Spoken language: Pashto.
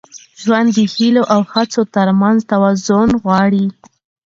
ژوند د هیلو او هڅو تر منځ توازن غواړي.